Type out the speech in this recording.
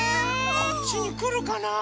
こっちにくるかなあ。